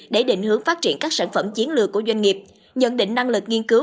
để định hướng phát triển các sản phẩm chiến lược của doanh nghiệp nhận định năng lực nghiên cứu